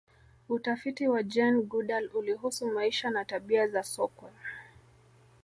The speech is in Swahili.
utafiti wa jane goodal ulihusu maisha na tabia za sokwe